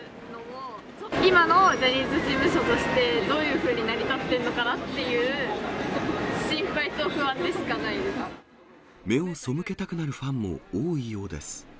今のジャニーズ事務所として、どういうふうに成り立っているのかなっていう心配と不安でしかな目をそむけたくなるファンも多いようです。